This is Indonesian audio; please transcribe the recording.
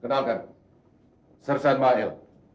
kenalkan ser sen mail